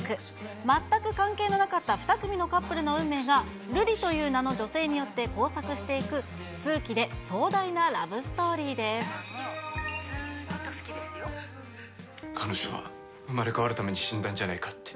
全く関係のなかった２組のカップルの運命が、るりという名の女性によって交錯していく、彼女は生まれ変わるために死んだんじゃないかって。